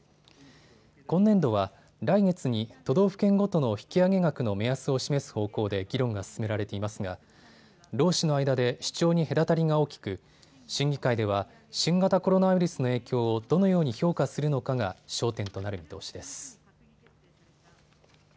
今年度は来月に都道府県ごとの引き上げ額の目安を示す方向で議論が進められていますが労使の間で主張に隔たりが大きく審議会では新型コロナウイルスの影響をどのように評価するのかが焦点となる見通しです。